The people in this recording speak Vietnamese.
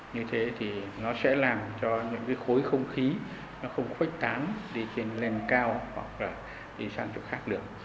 như thế thì nó sẽ làm cho những cái khối không khí nó không khuếch tán đi trên nền cao hoặc là đi sang chỗ khác được